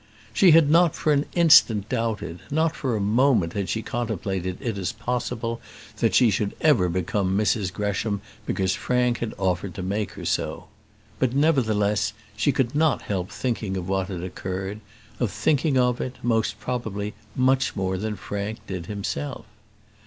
She had not for an instant doubted; not for a moment had she contemplated it as possible that she should ever become Mrs Gresham because Frank had offered to make her so; but, nevertheless, she could not help thinking of what had occurred of thinking of it, most probably much more than Frank did himself.